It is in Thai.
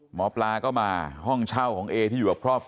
หมอปลาก็มาห้องเช่าของเอที่อยู่กับครอบครัว